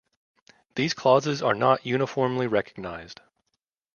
These clauses are not uniformly recognized.